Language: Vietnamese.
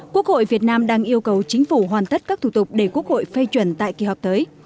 quốc hội việt nam đang yêu cầu chính phủ hoàn tất các thủ tục để quốc hội phê chuẩn tại kỳ họp tới